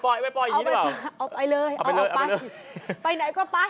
ไปไหนก็ไป